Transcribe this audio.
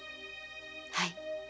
はい。